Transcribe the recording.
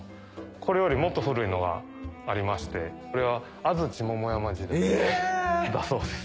これよりもっと古いのがありましてこれは安土桃山時代だそうです。